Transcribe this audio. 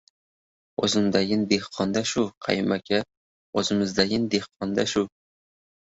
— O‘zimdayin dehqon-da shu, Qayum aka, o‘zimizdayin dehqon-da shu.